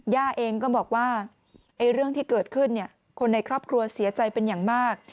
ย่าเองก็บอกว่าเรื่องที่เกิดขึ้นคนในครอบครัวเสียใจเป็นอย่างมาก